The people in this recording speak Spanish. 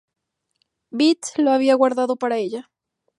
Bette lo había guardado para ella.